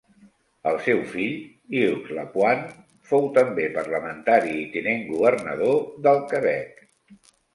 El seu fill, Hugues Lapointe, fou també parlamentari i tinent governador del Quebec.